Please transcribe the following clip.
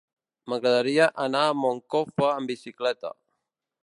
M'agradaria anar a Moncofa amb bicicleta.